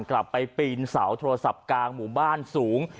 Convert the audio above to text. กลับไปปีนเสาโทรศัพท์กลางหมู่บ้านสูง